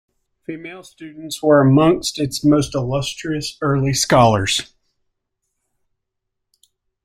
Female students were amongst its most illustrious early scholars.